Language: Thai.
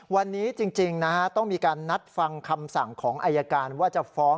วันนี้จริงนะฮะต้องมีการนัดฟังคำสั่งของอายการว่าจะฟ้อง